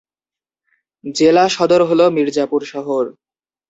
জেলা সদর হল মির্জাপুর শহর।